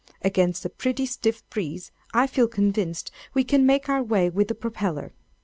Against a pretty stiff breeze, I feel convinced, we can make our way with the propeller.